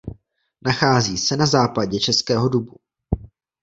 Nachází se na západě Českého Dubu.